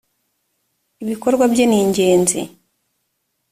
ibikorwa byeningenzi.